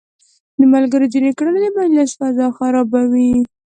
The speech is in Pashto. د ملګرو ځينې کړنې د مجلس فضا خرابوي.